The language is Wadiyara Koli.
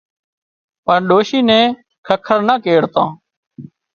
پڻ ڏوشِي نين ککر نا ڪيڙتان